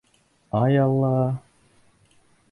Ай, Алла!